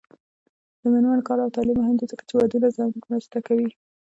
د میرمنو کار او تعلیم مهم دی ځکه چې ودونو ځنډ مرسته ده